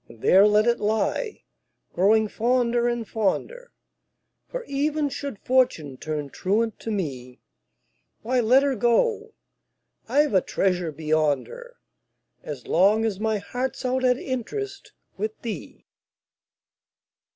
And there let it lie, growing fonder and, fonder For, even should Fortune turn truant to me, Why, let her go I've a treasure beyond her, As long as my heart's out at interest With thee!